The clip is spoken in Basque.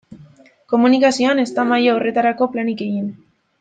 Komunikazioan ez da maila horretako planik egin.